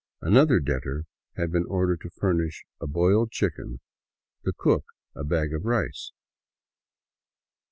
Another debtor had been ordered to furnish a boiled chicken, the cook, a bag of rice.